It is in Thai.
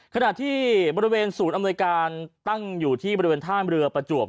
ขณะที่บริเวณศูนย์อำนวยการตั้งอยู่ที่บริเวณท่ามเรือประจวบ